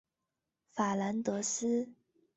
法兰德斯。